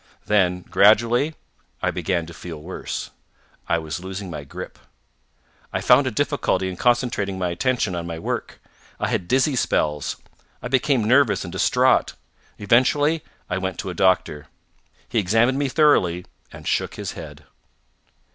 Then, gradually, I began to feel worse. I was losing my grip. I found a difficulty in concentrating my attention on my work. I had dizzy spells. I became nervous and distrait. Eventually I went to a doctor. He examined me thoroughly, and shook his head.